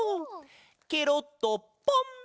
ケロッとポン！